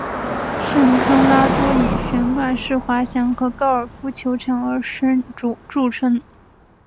圣康拉多以悬挂式滑翔和高尔夫球场而着称。